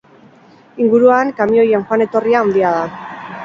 Inguruan kamioien joan-etorra handia da.